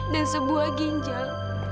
dan sebuah kinjal